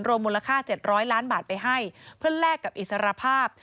มูลค่า๗๐๐ล้านบาทไปให้เพื่อแลกกับอิสรภาพ